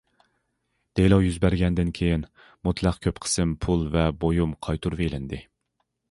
دېلو يۈز بەرگەندىن كېيىن، مۇتلەق كۆپ قىسىم پۇل ۋە بۇيۇم قايتۇرۇۋېلىندى.